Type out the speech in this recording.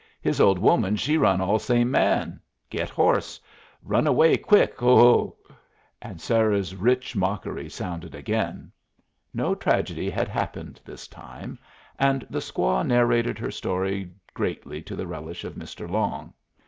His old woman she run all same man. Get horse. Run away quick. Hu hu!" and Sarah's rich mockery sounded again. No tragedy had happened this time, and the squaw narrated her story greatly to the relish of Mr. Long.